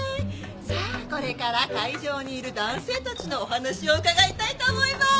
さあこれから会場にいる男性たちのお話を伺いたいと思います！